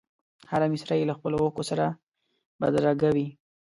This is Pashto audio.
هره مسره یې له خپلو اوښکو سره بدرګه وي.